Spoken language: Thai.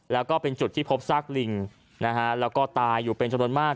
แล้วก็เป็นจุดที่พบซากลิงนะฮะแล้วก็ตายอยู่เป็นจำนวนมาก